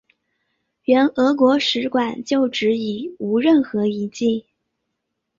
原俄国使馆旧址已无任何遗迹。